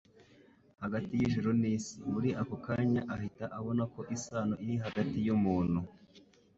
hagati y'ijuru n'isi, muri ako kanya ahita abona ko isano iri hagati y'umuntu